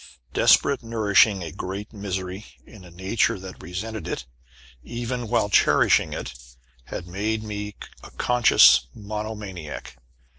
Desperate nourishing of a great misery, in a nature that resented it, even while cherishing it, had made me a conscious monomaniac.